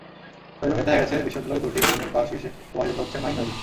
সরেজমিনে দেখা গেছে, বিদ্যালয়ের দুটি ভবনের পাশ ঘেঁষে প্রবাহিত হচ্ছে মাইনী নদী।